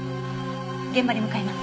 現場に向かいます。